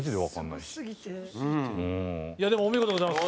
いやでもお見事でございます。